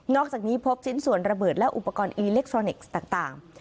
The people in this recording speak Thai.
อกจากนี้พบชิ้นส่วนระเบิดและอุปกรณ์อิเล็กทรอนิกส์ต่าง